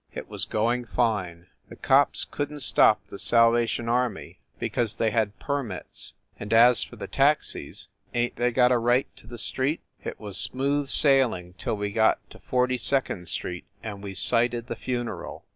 It was going fine. The cops couldn t stop the Salvation Army because they had WYCHERLEY COURT 253 permits and as for the taxis ain t they got a right to the street ? It was smooth sailing till we got to Forty second Street and we sighted the funeral.